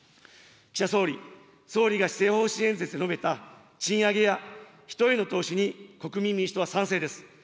岸田総理、総理が施政方針演説で述べた賃上げや、人への投資に、国民民主党は賛成です。